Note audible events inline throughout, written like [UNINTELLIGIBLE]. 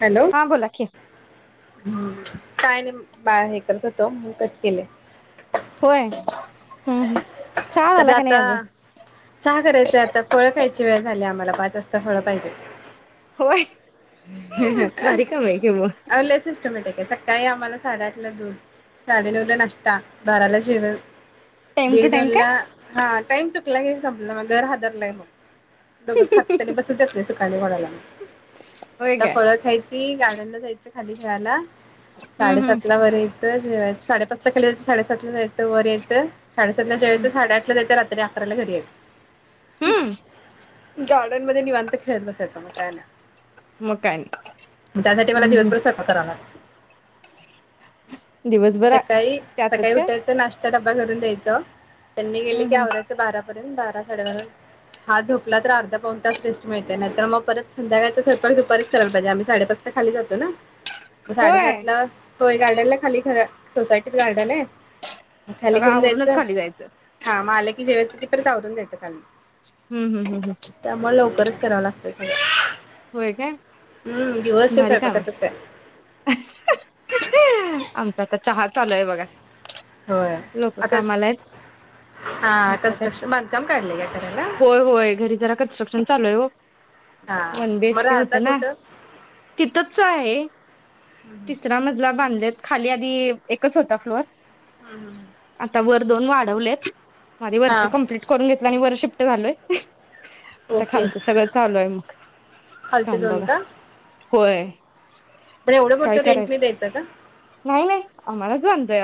Hello, हा बोला की काय आणि म बाळ हे करत होतो, म्हणुन कट केले होय हम्म हम्म चहा तर झाला का नाही आता, अजून चहा करायचाय आता फळ खायची वेळ झाली आम्हाला बात जास्त फळ पाहिजे होय, भारी काम हाय की मग कस माहिती सकाळी आम्हाला साडेआठला दुध साडे नऊला नाशटा बाराला जेवण टाइम टू दीड टाइम, काय? दोनला हा टाईम चुकला की संपलं मग, घर हादरलंय मग. बघत खात अनी बसु देत नाही सुखानी घोडा लांब होय आता काय फळं खायची गार्डनला जायचं खाली खेळायला हम्म हम्म साडेसातला वर येईल े साडेपाच ला खाली यायचं साडेसातला जायचं वर यायचं साडे सातला जायच हम्म साडे आठ रात्री अकराला घरी यायचं हम्म गार्डन मध्ये निवांत बसायच मग काय नाय मग काय नाही त्यासाठी मला हम्म दिवसभर हम्म स्वयंपाक करावा लागतो दिवसभर आ सकाळी त्यातच सकाळी काय उठायच नाश ते डबा करून द्यायच गेले की हम्म हम्म आवरायच बारापर्यंत बारा साडेबाराला हा झोपला तर अर्धा पाऊण तास रेस्ट मिळतीया नाय तर मग परत संध्याकाळचा स्वयंपाक दुपारीच करायला पाहिजे आम्ही साडेपाच ला खाली जातो ना म साडेसात होय ला होय गार्डन ला खाली खरं सोसायटीत गार्डन आय सगळं आवरूनच खाली जायचं हा मग आलं की जेवायंच की परत आवरून जायच खाली हम्म हम्म हम्म हम्म तेराव लागतय स होय काय भारी काम स्वयंपाकातच आहे हाय आमचा आता चहा चाललय बघा होय लोक आता कामाला आहेत हा म्हटलं तर कन्स्ट्रक्शन बांधकाम काढले का करायला चालूय ह् [UNINTELLIGIBLE] हा वन मग बीएच के होत राहता ना कुठं? तिथच आहे हम्म तिसरा मजला बांध खाली आधी एकच होता फ्लोअर हम् हम् आता ह वर दोन वाढवलेत माझ वर् कंप्लीट करून घेत आणि वर्ष शिफ्ट घालोय आता खालतं सगळं चालू आहे मग खाल चे काम दोन बघा का होय ण एव मोठ काय रेंट मी करायचं द्याय नाही नाही आम्हालाच बांधतोय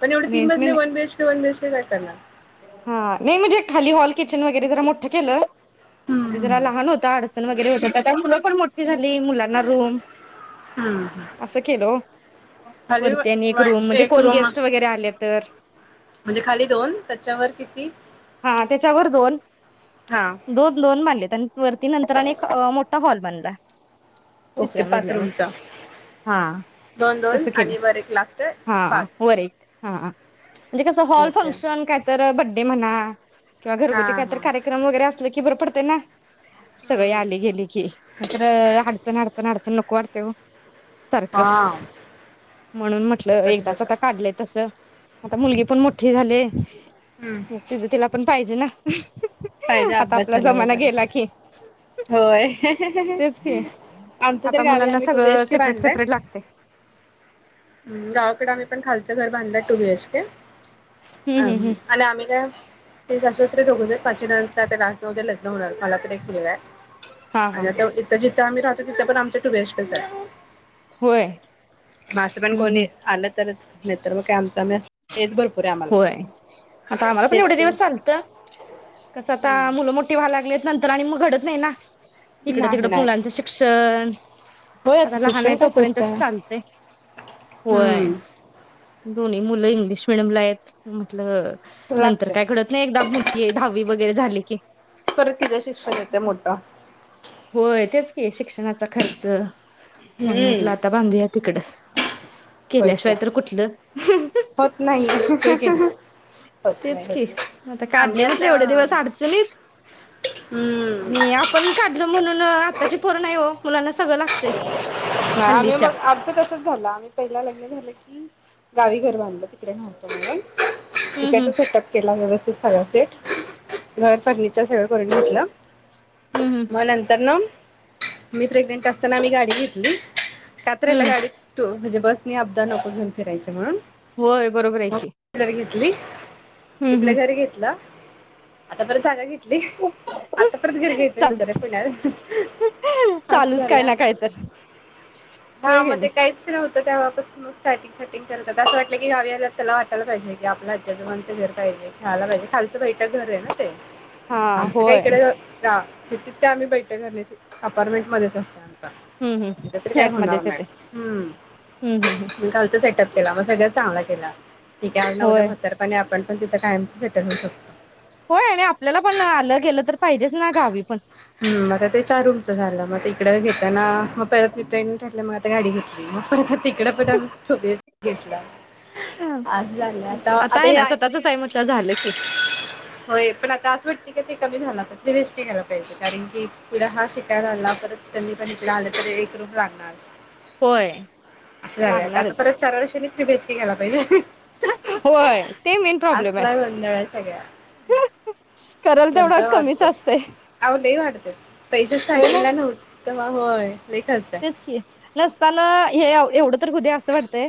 पणव तीन रेंटने मजली नाही वन बीएचके वन कट ना [UNINTELLIGIBLE] हा नाही म्हणजे खाली हॉल किचन वगैरे जरा मोठठं केलं आधी जरा हम्म लहान होतं आड वगैरे होत मुलं पण मोठी झाली मुलांना रूम हम्म. अस केल खाली वरतीनी एक वन रूम म्हणजे एक कोण रूम गेस्ट वगैरे आले तर म्हणजे खाली दोन त्याच्यावर किती हा त्याच्यावर दोन हा दोन दोन बनले त्यां वरती नंतरने एक मोठा हॉल बनला ओके पाच रूमचा हा दोन दोन तसं केलं आणि वर एक लास्ट आहे हा पाच वर एक हा म्हणजे कस हॉल ओके फंक्शन काय तर ते म्हणा ह [UNINTELLIGIBLE] किं हा घरुती कातर हा कार्य्रम वगैर अस ककी बर पडतेे ना सगळे हम्म आले गेली की म्र अडचण अडचण अडचण नको वाटते सारखं हा म्हणून म्हटलं तसच एकदाच होत आता काढलंय तस आता मुलगी पण मोठी झाले हम्म ण पाहिजे ना पाहिजे आता आपला अभ्यासाला जमाना वगैरे गेला की होय तेच की आमच तर आता गावी मुलांना आम्ही टु सगळं बिएचके की सेपरेट बांधलंय सेपरेट लागते आम्ही पण खालंच घर बांधलय टू व्हीएच के हम्म अ हम्म हम्म आणि आम्हीला ते शश्स्त्र ठघू पाचन्स त्या ला न लग्न होणार मला त एक मुलगा आहे हा हा आणि आता इथ जिथं आम्ही राहतो तिथे पण आमच्या टू बीएचके चआहे होय माझं पण हम्म हम्म कोणी आलं तरच नाही तर मग काय आमचं आम्ही हेच भरपूर आहे आम्हाला. होय आता आम्हाला पण एवढे हेच दिवस चालतं कसं हम्म. आता मुलं मोठी व्हायला लागलेत नंतर आणि मग घडत नाही ना इकडे तिकडं नाही नाही मुलांचं शिक्षण होय आता लहान शिक्षण आहे काय स्वस्त तोपर्यंतच आहे. चालतय होय हम्म दोन्ही मुलं इंग्लिश मीडियम मध्ये आहेत मतलब नंतर लागतंय. काय घडत नाही एकदा मुलगी दहावी वगैरे झाले की पर तिच शिक्षण येते मोठं हे शिक्षणाचा खर्च म्हणून म्हटलं हम्म आता बांधूया तिकडं. [INAUDIBLE] होय की केल्याशिवाय तर कुठलं होत नाही. होत नाही तेच होत की नाही. आता आम्ही काढले म्हटलं आता एवढे दिवस अडचणीत हम्म आणि आपण काढलं म्हणून आताची पोर नाय ओ मुलांना सगळं लागतय हल्लीच्या. पहिलं लग्न झालं की गावी घर बांधलं तिकडे नव्हतं म्हणून. हम्म हम्म इकडचा सेटअप केला व्यवस सगळं सेट घर फर्निचर सगळं करून घेतलं. हम्म हम्म म नंतरन मी प्रेग्नेंट असताना आम्ही गाडी घेतली. कात्रेला हम्म गाडी तू म्हणजे बस मी अपदा नको घेऊन फिरायची म्हणून. होय बरोबरय की. कली हम्म इकडे हम्म घरं घेतलं. आता परत जागा घे आता परत घर घ्यायचं चाल विचारय पुण्यात, असं चालूच झालंय काय ना आमच. काय तर होय हा म गेली ते काय होत तेव्हापासन स्टार्टिंग स्टार्टिंग करतात असं वाटलं की गावी आल्या त्याला वाटायला पाहिजे, आपल्या आजी आजोबांंच घर पाहिजे, खायला पाहिजे, खालंच बैठक घरय ना. हा आमचं काय होय इकड गा सिटीत काय आम्ही बैठक घरण्याची अपार्टमेंटमध्येचत अस हम्म, हम्म फ्लॅटमध्येच येतंय. खालचा सेटअप केला. मग सगळ्यात चांगला केला. ते काय आज ना उद्या होय म्हातारपणी आपण पण तिथं कायमचं सेटल होऊ शकतो. होय आणि आपल्याला पण आलं गेलं तर पाहिजेच ना गावी पण हम्म आता ते चार रूमच झालं. म ते तिकड घेताना मग परत ट्रेन घातल्या मग आता गाडी घेतली म आ तिकड पण खुबेच घेतलं आज झालं आता आता आहे ना हे स्वतःचच आहे म्हटलं झालं की होय पण आता आज सु ते ते कमी झाला रेस्ट घ्यायला पाहिजे, कारण की पुढ हा शिकायला आला परत त्यांनी पण इकडे आलं तररी एक रूम लागणार. होय अस झालंय आता लागणारच परत चार वर्षांनी थ्री बीएचके घ्यायला पाहिजे. होय ते मेन प्रॉब्लेमय, असला गोंधळ आहे सगळ्या करल तेवढं कमी आव लई वाढलय, पैसे होय ना स्टार्टिंगला नव्हत तवा होय लई खर्च तेच आहे की, नसताना हे एवढं तर होऊदे अस वाटतय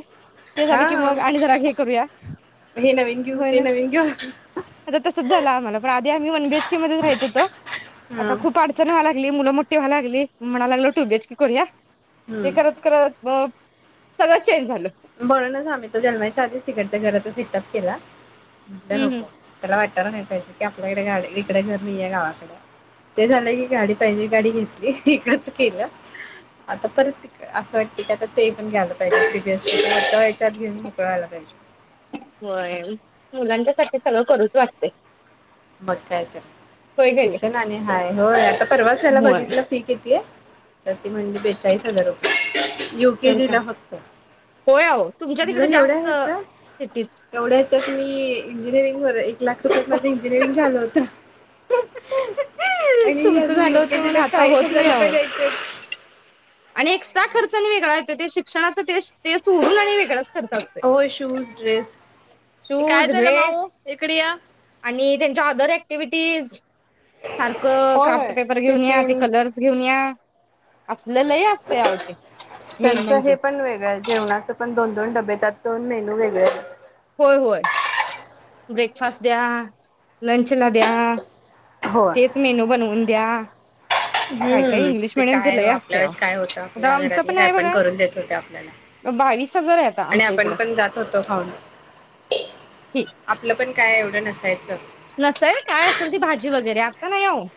ते झालं हा की मग आणि जरा हे करूया हे नवीन घेऊ होय ते ना नवीन घेऊ आता तसच झालं, आम्हाला पण आधी आम्ही वन बी. ऐच. के मधेच राहत होतो. हा आता खूप अडचण वव्हय लागली मुल मोठी व्हय लागली, म्हणालागल टू बी. एच करूया ते हम्म. करत करत म सगळ्य म्हणूनच आम्ही तो जन्माच्या आधीच तिकडच्या घरातच तप केला. तर हम्म हम्म. नको, त्याला वाटत टाय नाही पाहिजे की आपल्याकडे गाडी इकड घर नाहीय गावाकडे ते झालं की गाडी पाहिजे गाडी घेतली इकडच केलं, आता परत असं वाटते की आता ते पण घ्यायला पाहिजे वस् [UNINTELLIGIBLE] व्याच्यात घेऊन मोकळा व्हयला पाहिजे. होय मुलांच्यासाठी सगळं करूच वाटतय. मग काय तर का नाही. शिक्षण आणि हाय, होय आता परवाच ह्याला होय बघितलं फी किती आहे. तर ती म्हणली, बेचाळीस हजार रुपय. तर युकेजी काय ला फक्त, होय आहो तुमच्या तिकडे एवढ्या जास्त ह्याच सिटीत एवढ्या ह्याच्यात मी इंजिनिअरिंग व. लाख रुपय मध्ये रिंग झालं होत. आणि तुमचं अजून झालं यु. के. होतं म्हणून जी आता चाळीस होत हजार रुपय द्यायचे आहेत. आनेक. चा खर्च आणि वेगळा हाय ते शिक्षणाच ते सोडून आणि वेगळं खर्च असतय, होय शूज ड्रेस काय शूज झालं ड्रेस माऊ इकडे या आणि त्यांच्या अदर ऍक्टिव्हटीज सारखं क्राफ्ट होय पेपर घेऊन या ते कलर्स घेऊन या. आपलं लय असतंय अहो ते मेन त्यांच म्हणजे हे पण वेगळं जेवणाच पण दोन दोन डब्बे त्यात दोन मेनू वेगळं होय होय ब्रेकफास्ट द्या, लंच ला द्या. होय तेच मेनू बनवून द्या काय काय हम्म इंग्लिश ते मिडियमच काय लय आपल्या असतय, वेळेस काय होतं आपल्या आमचं घरातले पण काय आहे बघा करून देत होते आपल्याला बावीस हजार आहे आता आणि आमच्या आपण इकडं पण जात होतो खाऊन. आपलं पण काय एवढं नसायच. चल नसायच काय असेल ते भाजी वगैरे, आता नाही अहो.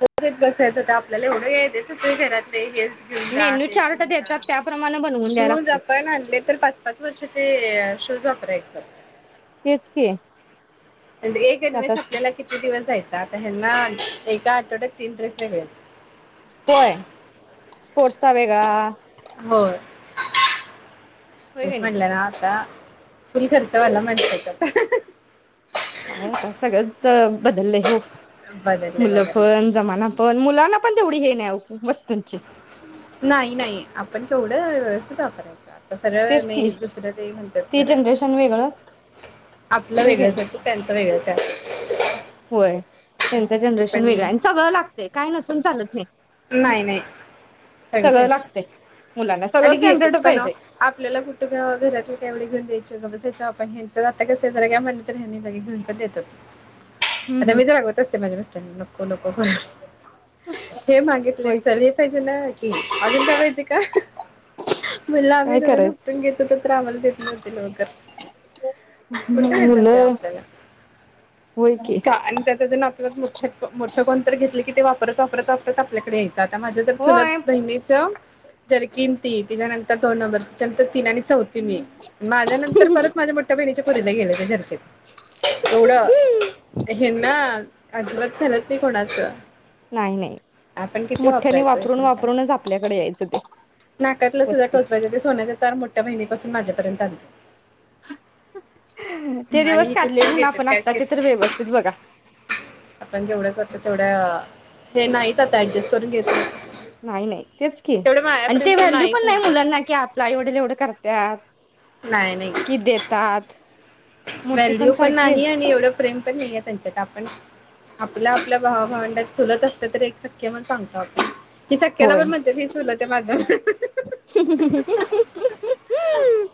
होच [UNINTELLIGIBLE] बसायचं तर आपल्याला एवढंयत. घरात [UNINTELLIGIBLE] ते वेज घेऊन जा मेन्यू ते ज चार्ट घेऊन जा देतात त्याप्रमाणे बनवून द्याय शूज लागतंय आपण आणले तर पाच पाच वर्ष ते शुज राख सकते [UNINTELLIGIBLE] तेच के एक गन्वेेष आपल्याला किती दिवस जायइल. आता हे ना एका आठवड्यात तीन ड्रेस वेगळे होय स्पोटचा वेगळा होय. होय की यस नाही म्हणलं ना आता. फुल खर्चवाला [UNINTELLIGIBLE] माणसेत आता. काय आता सगळंच बदललंय हो बदलले मुलं बदलले पण जमाना पण मुलांना पण तेवढी हे नाही [UNINTELLIGIBLE] मस नाही नाही आपण. तेवढं व्यवस्थित वापरायचा सगळ्या तेच की नाही दुसऱ्या ते म्हणतात ते सऱ्या जनरेशन वेगळं आपलं होय की वेगळंच नाही त्यांच वेगळंहाय. होय त्यांचं जनरेशन वेगळं आणि सगळं लागतंय काय नसून चालत नाही. नाही [UNINTELLIGIBLE] नाही सगळं लागतयं मुलांना, आणि सगळं घेतेत स्टॅंडर्ड पण अहो पाहिजे. आपल्याला कुठं तेव्हा घरातलं काय एवढं घेऊन [UNINTELLIGIBLE] द्यायच, आपणच आता कस जरा घ्या म्हणलं तर ह्यांनी घेऊन पण देतात. हम्म आता हम्म मीच रागवत असते माझ्या मिस्टरांना. [UNINTELLIGIBLE] [INAUDIBLE] सांगितलंय, होय चल येतयस. [UNINTELLIGIBLE] का म्हणल आम्ही काय रडून करायचं उपटून घेतो तर [UNINTELLIGIBLE] [UNINTELLIGIBLE] कुठे येत ते मुलं आपल्याला होय की त्या आण त्या. त्याज न आपल्यात [UNINTELLIGIBLE] मोठं मोठं कोण तर घेतलं की ते वापरत वापरत [UNINTELLIGIBLE] आता माझ्या तर चुलत होय बहिणीचं जर किंती तिच्यानंतर दोन नंबर तिच्यानंतर तीन आणि चौथ कीं मीं माझ्या नंतर परत माझ्या मोठ्या बहिणी [UNINTELLIGIBLE] एवढं हेन्ना अजिबात झालत नाही कोणाचं. नाही नाही. आपण किती मोठ्यानी वापरायचं वापरून एकमेकांना वापरूनच आपल्याकडे यायचं. [UNINTELLIGIBLE] नाकातलं सुद्धा वस्तू टोचवायच्या ते सोन्याच्या तार मोठ त्या बहिणी पासून माझ्यापर्यंत आले. ते दिवस काढले म्हणा घेतात पण कायच घेत आत्ताचे तर नाही. व्यवस्थित बघा. तो तेवढा हे नाहीत का आता ऍडजस्ट करून घेत. नाही नाही. तेच की आणि ते व्हॅल्यू पण नाहीच नाही ह्याच्यात. मुलांना की आपला एवढे एवढं करतात. नाही नाही कि देतात मोठी व्हॅल्यू पण सारखीच नाही आणि एवढं प्रेम पण नाही आहे त्यांच्यात आपण. आपल्या आपल्या भावा -भावंडात चुलत असलं तरी एक सक्खे म्हणून सांगतो आपण. ही सख्याला पण होय म्हणते ही चुलत आहे माझ्या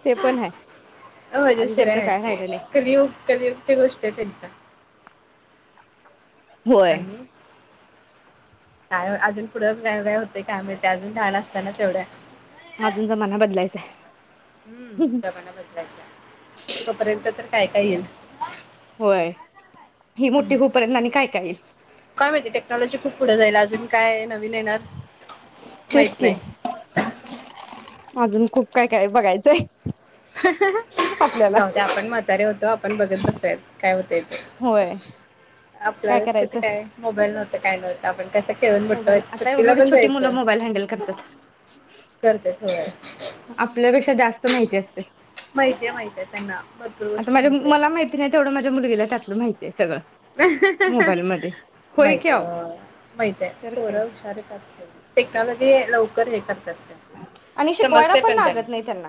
ते पण हाय, आधी मजेशीर आहे सारखं काय राहिलं नाही कलियुग, कलियुगच्या गोष्टी आहेत त्यांच्या. होय आणि काय आजून पुढं काय काय होतेय काय माहीती आजून लहान असतानाच एवढ आजून जमाना बदलायचा हाय हुं जमाना बदलायचा हाय तोपर्यंत तर काय, काय ईल होय ही मोठी हूपर्यंत आणि काय, काय येईल? [UNINTELLIGIBLE] काय माहिती टेक्नॉलॉजी खूप पुढं जाईल आजून काय नवीन येणार तेच माहित की नाही? अजून खूप काय काय बघायचंय आय जाऊदे आपण म्हातारे होतो आपण बघत बसूयात काय होतय ते होय काय आपल्यालाच कुठे करायचं काय मोबाईल नव्हत काय नव्हत आपण कसं खेळून मोठं मोबाईल व्हायचं आता एवढी सुट्टीला एवढी पण छोटी मुलं जायचं मोबाईल हँडल करत्यात करते थोडं आपल्यापेक्षा जास्त माहिती असतयं. माहिती ये माहिती ये त्यांना आता गोष्ट माझ्या माहितीये मला माहिती नाही तेवढं माझ्या मुलगीला त्यातलं माहितीय सगळं मोबाईलमध्ये. होय की माहितय आओ होय माहितेय तर पोर काय. हुशार आहेत आता टेक्नॉलॉजी लवकर हे कर आणि शिकवायला पण लागत नाही त्यांना.